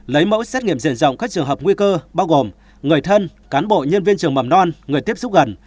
lấy mẫu xét nghiệm diện rộng các trường hợp nguy cơ bao gồm người thân cán bộ nhân viên trường mầm non người tiếp xúc gần